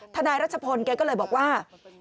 ทนายรัชพนธ์เขาก็เลยบอกว่า